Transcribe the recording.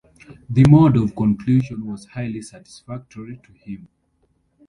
The mode of conclusion was highly satisfactory to him.